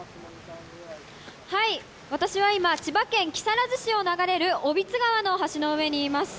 私は今、千葉県木更津市を流れる小櫃川の橋の上にいます。